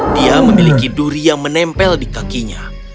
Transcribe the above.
dia memiliki duri yang menempel di kakinya